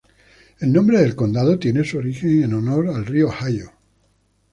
El nombre del condado tiene su origen en honor al río Ohio.